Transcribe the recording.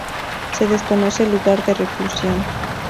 Se desconoce el lugar de reclusión.